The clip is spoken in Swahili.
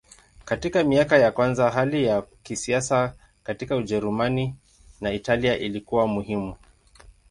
Katika miaka ya kwanza hali ya kisiasa katika Ujerumani na Italia ilikuwa muhimu.